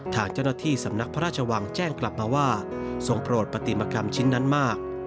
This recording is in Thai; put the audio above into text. ทางเจ้าหน้าที่สำนักพระราชวังแจ้งกลับมาว่าทรงโปรดปฏิมกรรมชิ้นนั้นมาก